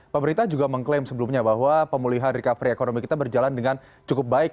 pemerintah juga mengklaim sebelumnya bahwa pemulihan recovery ekonomi kita berjalan dengan cukup baik